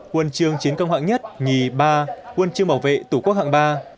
quân trương chiến công hạng nhất nhì ba quân trương bảo vệ tổ quốc hạng ba